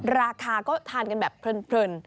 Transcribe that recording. ราคาก็ทานกันแบบเพลิน